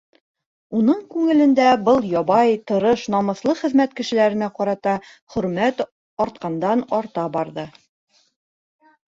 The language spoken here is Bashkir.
Уның күңелендә был ябай, тырыш, намыҫлы хеҙмәт кешеләренә ҡарата хөрмәт артҡандан-арта барҙы.